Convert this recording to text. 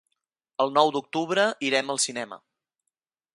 El nou d'octubre irem al cinema.